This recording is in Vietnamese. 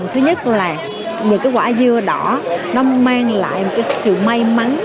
thứ nhất là những cái quả dưa đỏ nó mang lại một cái sự may mắn